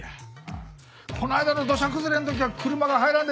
この間の土砂崩れの時は車が入らんで難儀したなあ。